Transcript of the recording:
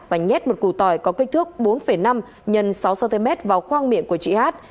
và nhét một củ tỏi có kích thước bốn năm x sáu cm vào khoang miệng của chị hát